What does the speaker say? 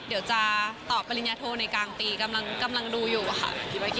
เดี๋ยวจะตอบปริญญาโทในกลางปีกำลังดูอยู่ค่ะ